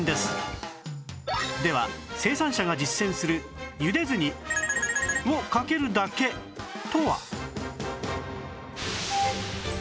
では生産者が実践するゆでずにをかけるだけとは？